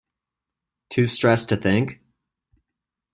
Too Stressed to Think?